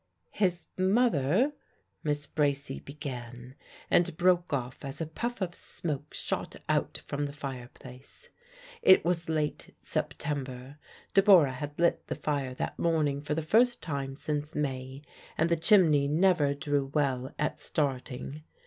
"His mother " Miss Bracy began, and broke off as a puff of smoke shot out from the fireplace. It was late September; Deborah had lit the fire that morning for the first time since May, and the chimney never drew well at starting.